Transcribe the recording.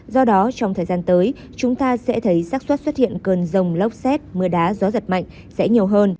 do đó trong thời gian tới chúng ta sẽ thấy rác xuất xuất hiện cơn rông lốc xét mưa đá gió giật mạnh sẽ nhiều hơn